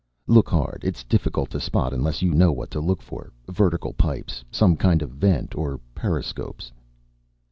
"Look hard. It's difficult to spot unless you know what to look for. Vertical pipes. Some kind of vent. Or periscopes."